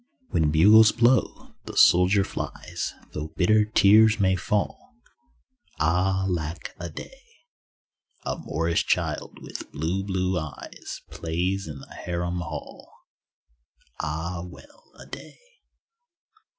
When bugles blow the soldier flies— Though bitter tears may fall (Ah, lack a day). A Moorish child with blue, blue eyes Plays in the harem hall. (Ah, well a day.)